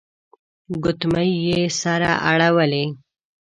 ګوتمۍ يې سره اړولې.